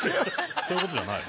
そういうことじゃない？